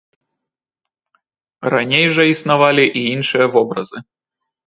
Раней жа існавалі і іншыя вобразы.